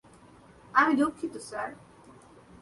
আমি দুঃখিত স্যার।